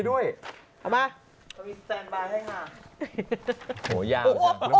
โหยาวจริง